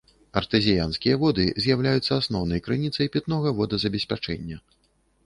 Артэзіянскія воды з'яўляюцца асноўнай крыніцай пітнога водазабеспячэння.